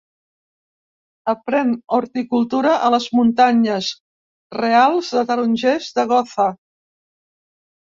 Aprèn horticultura a les Muntanyes Reals de Tarongers de Gotha.